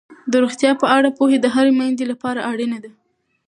د روغتیا په اړه پوهه د هرې میندې لپاره اړینه ده.